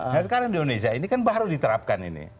nah sekarang di indonesia ini kan baru diterapkan ini